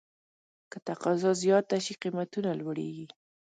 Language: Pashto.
که تقاضا زیاته شي، قیمتونه لوړېږي.